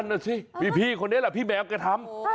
นั่นสิบีปี่คนนี้แหละพี่แมวทำ